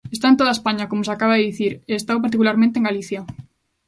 Está en toda España, como se acaba de dicir, e estao particularmente en Galicia.